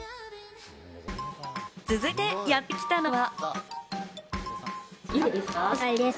続いてやってきたのは。